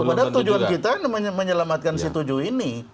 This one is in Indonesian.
padahal tujuan kita menyelamatkan si tujuh ini